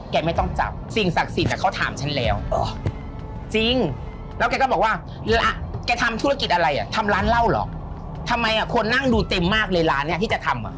ทำร้านเหล้าหรอกทำไมคนนั่งดูเต็มมากที่จะทำ